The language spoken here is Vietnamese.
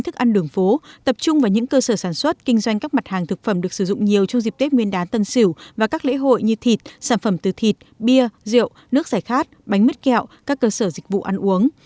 các đơn vị liên quan các mặt hàng thực phẩm được sử dụng nhiều trong dịp tết nguyên đán tân sửu và các lễ hội như thịt sản phẩm từ thịt bia rượu nước giải khát bánh mứt kẹo các cơ sở dịch vụ ăn uống